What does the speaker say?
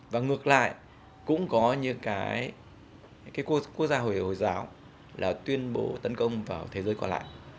và ngược lại cũng có những quốc gia hồi giáo tuyên bố tấn công vào thế giới còn lại